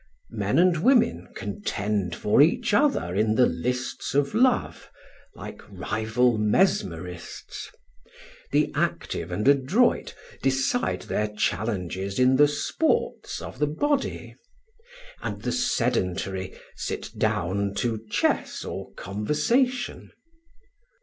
Men and women contend for each other in the lists of love, like rival mesmerists; the active and adroit decide their challenges in the sports of the body; and the sedentary sit down to chess or conversation.